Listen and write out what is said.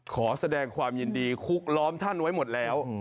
ขอแสดงความยินดีคุกล้อมท่านไว้หมดแล้ว